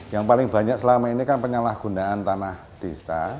yang paling banyak selama ini kan penyalahgunaan tanah desa